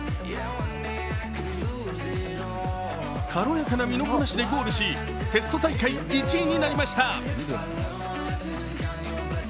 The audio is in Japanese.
軽やかな身のこなしでゴールし、テスト大会１位になりました。